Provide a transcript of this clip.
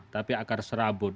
tapi akar serabut